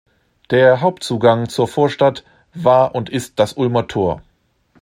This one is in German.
Der Hauptzugang zur Vorstadt war und ist das Ulmer Tor.